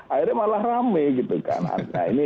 akhirnya malah rame gitu kan